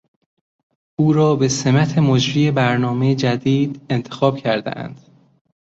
او را به سمت مجری برنامه جدید انتخاب کردهاند.